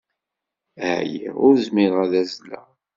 Ɛyiɣ, ur zmireɣ ad azzleɣ.